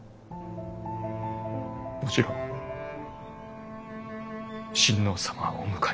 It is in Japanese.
もちろん親王様はお迎えします。